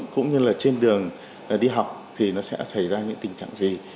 cũng như là trên đường đi học thì nó sẽ xảy ra những tình trạng gì